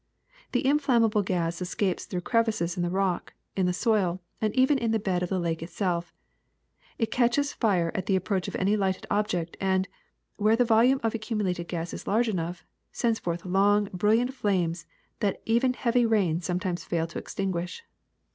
The inflammable gas escapes through crevices in the rock, in the soil, and even in the bed of the lake itself. It catches fire at the ap proach of any lighted object and, where the volume of accumulated gas is large enough, sends forth long, brilliant flames that even heavy rains sometimes fail to extinguish.